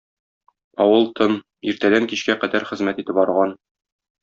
Авыл тын, иртәдән кичкә кадәр хезмәт итеп арган.